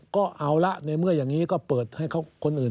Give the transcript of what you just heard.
ก็เอาละในเมื่ออย่างนี้ก็เปิดให้คนอื่น